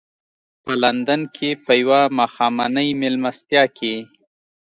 په لندن کې په یوه ماښامنۍ مېلمستیا کې.